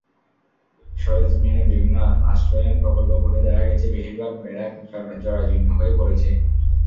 সরেজমিনে বিভিন্ন আশ্রয়ণ প্রকল্প ঘুরে দেখা গেছে, বেশির ভাগ ব্যারাক জরাজীর্ণ হয়ে পড়েছে।